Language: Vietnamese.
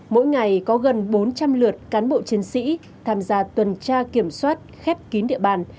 mỗi ngày có gần bốn trăm linh lượt cán bộ chiến sĩ tham gia tuần tra kiểm soát khép kín địa bàn